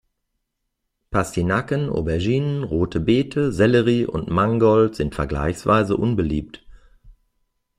Pastinaken, Auberginen, rote Beete, Sellerie und Mangold sind vergleichsweise unbeliebt.